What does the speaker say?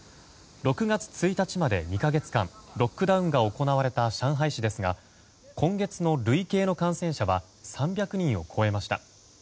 ６月１日まで、２か月間ロックダウンが行われた上海市ですが今月の累計の感染者は３０人を超えました。